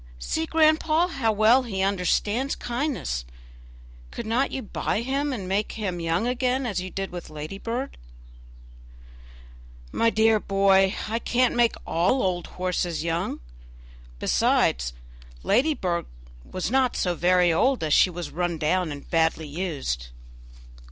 see, grandpapa, how well he understands kindness. Could not you buy him and make him young again as you did with Ladybird?" "My dear boy, I can't make all old horses young; besides, Ladybird was not so very old, as she was run down and badly used."